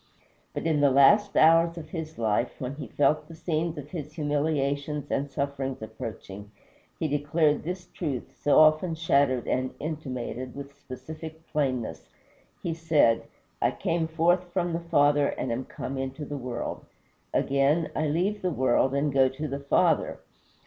But in the last hours of his life, when he felt the scenes of his humiliations and sufferings approaching, he declared this truth, so often shadowed and intimated, with explicit plainness. He said, "I came forth from the Father, and am come into the world. Again, I leave the world, and go to the Father."